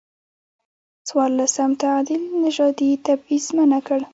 څورلسم تعدیل نژادي تبعیض منع کړ.